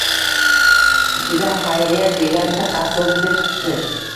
Ichida hayriyat degancha avtobusga chiqishdi